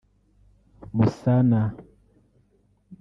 Musana